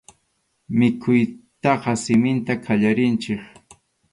Mikhuytaqa siminta qallarinchik.